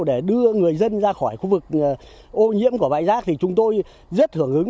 để đưa người dân ra khỏi khu vực ô nhiễm của bãi rác thì chúng tôi rất hưởng ứng